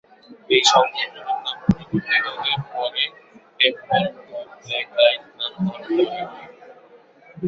এই সংগঠনের নাম পরিবর্তিত হয়ে পরে টেম্পল অব ব্ল্যাক লাইট নাম ধারণ করে।